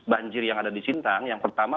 banjir yang ada di sintang yang pertama